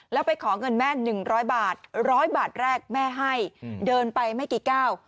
แล้วไปขอเงินแม่หนึ่งร้อยบาทร้อยบาทแรกแม่ให้เดินไปไม่กี่ก้าว